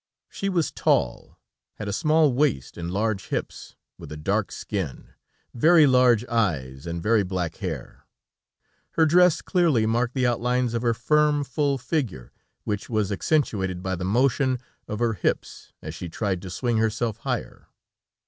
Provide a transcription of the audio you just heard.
She was tall, had a small waist and large hips, with a dark skin, very large eyes, and very black hair. Her dress clearly marked the outlines of her firm, full figure, which was accentuated by the motion of her hips as she tried to swing herself higher.